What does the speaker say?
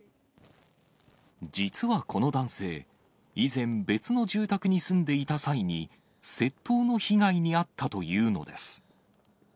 実はこの男性、以前、別の住宅に住んでいた際に、窃盗の被害に遭ったというのです。